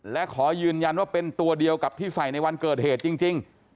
และขอยืนยันว่าเป็นตัวเดียวกับที่ใส่ในวันเกิดเหตุจริง